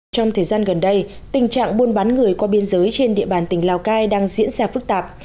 trong thời gian gần đây tình trạng buôn bán người qua biên giới trên địa bàn tỉnh lào cai đang diễn ra phức tạp